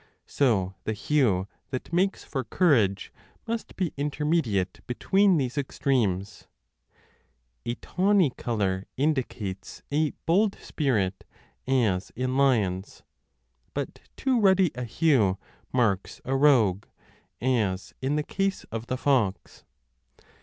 So the hue that makes for courage must be intermediate between these extremes. 15 A tawny colour indicates a bold spirit, as in lions : but too ruddy a hue marks a rogue, as in the case of the fox.